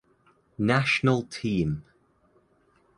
National Team